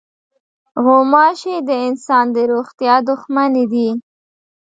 غوماشې د انسان د روغتیا دښمنې دي.